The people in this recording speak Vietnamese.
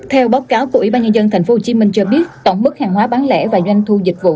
theo báo cáo của ủy ban nhân dân tp hcm cho biết tổng mức hàng hóa bán lẻ và doanh thu dịch vụ